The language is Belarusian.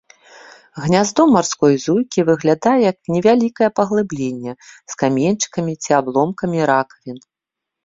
Гняздо марской зуйкі выглядае як невялікае паглыбленне з каменьчыкамі ці абломкамі ракавін.